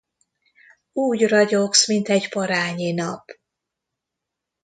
Úgy ragyogsz, mint egy parányi nap!